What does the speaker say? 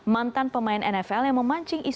mantan pemain nfl yang memancing isinya